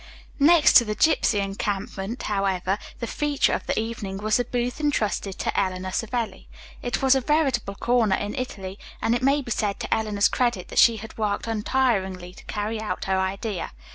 Next to the gypsy encampment, however, the feature of the evening was the booth entrusted to Eleanor Savelli. It was a veritable corner in Italy, and it may be said to Eleanor's credit that she had worked untiringly to carry out her idea.